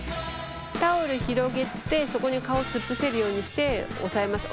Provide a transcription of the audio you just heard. タオル広げてそこに顔突っ伏せるようにして押さえます。